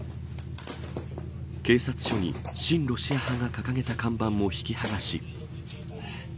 警察署に親ロシア派が掲げた看板も引き剥がし。